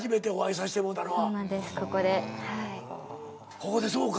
ここでそうか。